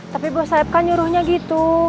tapi bos saebka nyuruhnya gitu